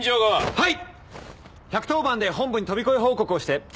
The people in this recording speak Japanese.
はい。